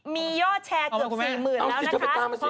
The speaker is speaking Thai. มียอดแชร์เกือบ๔๐๐๐แล้วนะคะ